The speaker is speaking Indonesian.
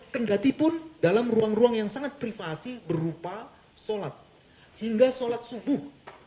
kendatipun dalam ruang ruang yang sangat privasi berupa sholat hingga sholat subuh